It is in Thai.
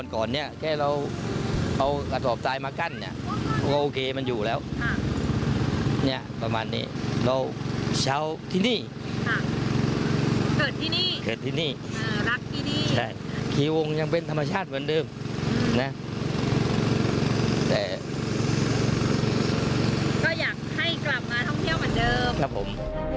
ก็อยากให้กลับมาท่องเที่ยวเหมือนเดิมครับผม